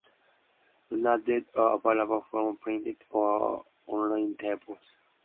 Lunar data are available from printed or online tables.